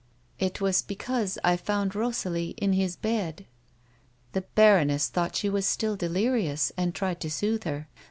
" It was because I found Kosalie in his bed." The baroness thought she was still delirious, and tried to soothe her.